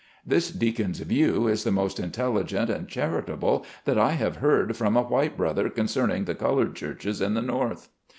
This deacon's view is the most intelligent and charitable that I have ever heard from a white 120 SLAVE CABIN TO PULPIT. brother concerning the colored churches in the North.